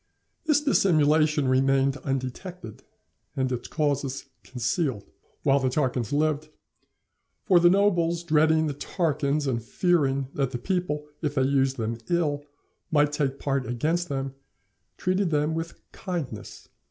This dissimulation remained undetected, and its causes concealed, while the Tarquins lived; for the nobles dreading the Tarquins, and fearing that the people, if they used them ill, might take part against them, treated them with kindness.